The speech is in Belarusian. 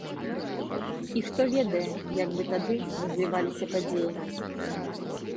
І хто ведае, як бы тады развіваліся падзеі.